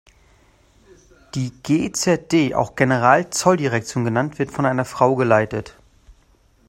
Die G-Z-D, auch Generalzolldirektion genannt wird von einer Frau geleitet.